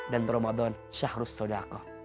dan ramadan syahrus sodako